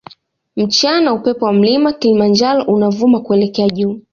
Mchana upepo wa mlima kilimanjaro unavuma kuelekea juu